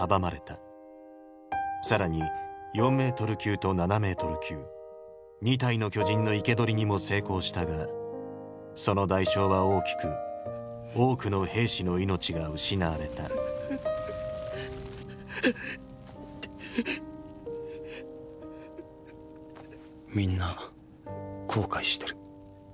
更に４ｍ級と７ｍ級２体の巨人の生け捕りにも成功したがその代償は大きく多くの兵士の命が失われたみんな後悔してる。